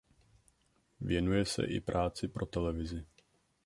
Věnuje se i práci pro televizi.